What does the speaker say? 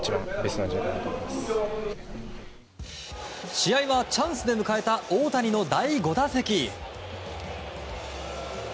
試合はチャンスで迎えた大谷の第５打席。